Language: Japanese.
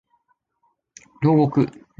牢獄